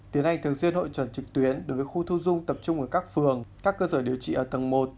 tiến hành thường xuyên hội trần trực tuyến đối với khu thu dung tập trung ở các phường các cơ sở điều trị ở tầng một